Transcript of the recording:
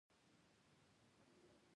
افغانستان به سمسوریږي